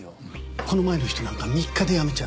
この前の人なんか３日で辞めちゃって。